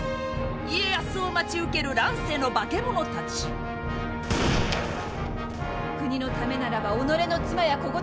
家康を待ち受ける乱世の化け物たち国のためならば己の妻や子ごとき平気で打ち捨てなされ！